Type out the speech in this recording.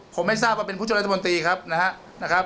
ผมไม่ทราบว่าเป็นผู้ช่วยรัฐมนตรีครับนะครับ